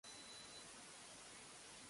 トロッコ